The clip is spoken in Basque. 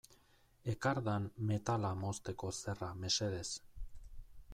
Ekardan metala mozteko zerra mesedez.